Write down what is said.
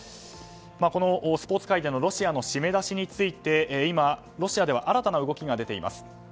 このスポーツ界でのロシアの締め出しについて今、ロシアでは新たな動きが出ています。